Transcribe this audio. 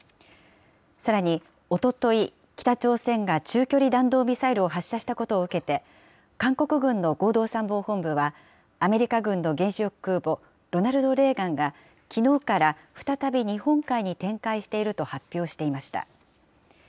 さらにおととい、北朝鮮が中距離弾道ミサイルを発射したことを受けて、韓国軍の合同参謀本部は、アメリカ軍の原子力空母ロナルド・レーガンが、きのうから再び日本海に展開していると発表していました。